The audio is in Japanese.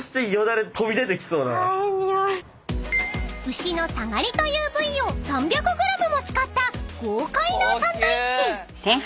［牛のサガリという部位を３００ｇも使った豪快なサンドイッチ］